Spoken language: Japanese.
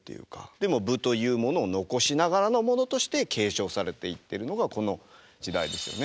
でも「武」というものを残しながらのものとして継承されていってるのがこの時代ですよね。